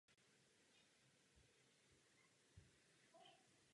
Jádro vlastního hradu bylo obehnáno příkopem.